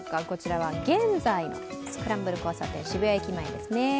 こちらは現在のスクランブル交差点、渋谷駅前ですね。